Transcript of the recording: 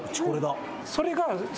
それが。